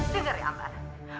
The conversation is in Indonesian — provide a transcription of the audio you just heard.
dengar ya mbak